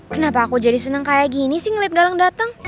kenapa aku jadi senang kayak gini sih ngeliat galang datang